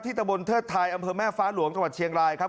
ตะบนเทิดไทยอำเภอแม่ฟ้าหลวงจังหวัดเชียงรายครับ